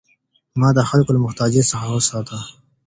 ما د خلکو له محتاجۍ څخه وساته.